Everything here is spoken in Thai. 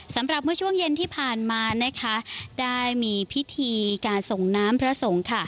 สำหรับเมื่อช่วงเย็นที่ผ่านมานะคะได้มีพิธีการส่งน้ำพระสงฆ์ค่ะ